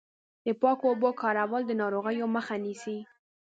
د پاکو اوبو کارول د ناروغیو مخه نیسي.